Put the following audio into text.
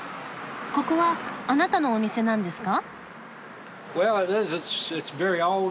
ここはあなたのお店なんですか？